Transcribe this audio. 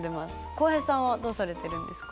浩平さんはどうされてるんですか？